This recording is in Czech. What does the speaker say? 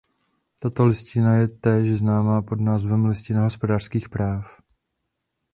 Tato listina je též známa pod názvem „"listina hospodářských práv"“.